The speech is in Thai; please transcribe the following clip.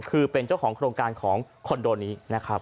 คือเป็นเจ้าของโครงการของคอนโดนี้นะครับ